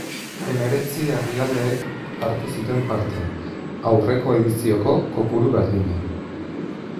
Hemeretzi herrialdek hartu zuten parte, aurreko edizioko kopuru berdina.